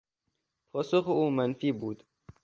پاسخ او منفی بود.